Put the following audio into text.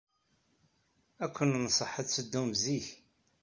Ad ken-nenṣeḥ ad teddum zik.